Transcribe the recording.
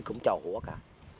cũng trò hũa cả